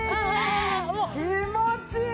気持ちいい！